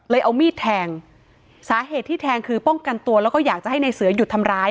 เอามีดแทงสาเหตุที่แทงคือป้องกันตัวแล้วก็อยากจะให้ในเสือหยุดทำร้าย